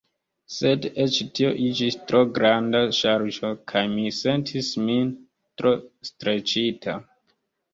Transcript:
Sed eĉ tio iĝis tro granda ŝarĝo kaj mi sentis min tro streĉita.